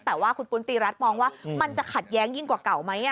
แต่ว่าคุณปุ้นตีรัฐมองว่ามันจะขัดแย้งยิ่งกว่าเก่าไหม